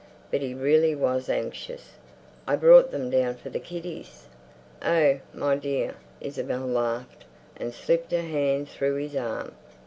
But he really was anxious. "I brought them down for the kiddies." "Oh, my dear!" Isabel laughed, and slipped her hand through his arm.